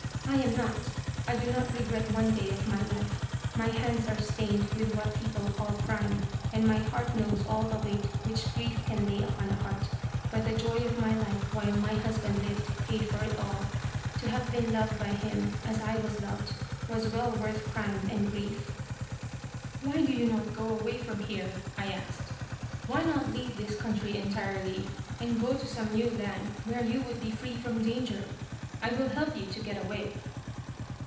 "I am not. I do not regret one day of my life. My hands are stained with what people call crime, and my heart knows all the weight which grief can lay upon a heart; but the joy of my life while my husband lived paid for it all. To have been loved by him as I was loved, was well worth crime and grief." "Why do you not go away from here?" I asked. "Why not leave this country entirely, and go to some new land where you would be free from danger? I will help you to get away."